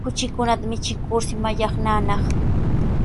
Kuchikunata michikurshi mallaqnanaq.